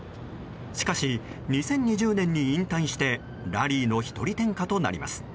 しかし２０２０年に引退してラリーの一人天下となります。